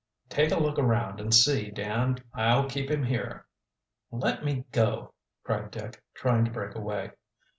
"Take a look around and see, Dan. I'll keep him here." "Let me go!" cried Dick, trying to break away.